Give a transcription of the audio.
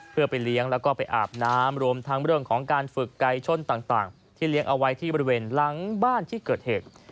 เพื่อไปเลี้ยงแล้วก็ไปอาบน้ำรวมทั้งเรื่องของการฝึกไก่ชนต่างที่เลี้ยงเอาไว้ที่บริเวณหลังบ้านที่เกิดเหตุ